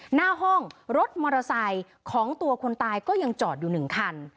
หน้าห้องรถมอเตอร์ไซค์ของตัวคนตายก็ยังจอดอยู่หนึ่งคัน